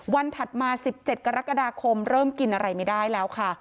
ถัดมา๑๗กรกฎาคมเริ่มกินอะไรไม่ได้แล้วค่ะ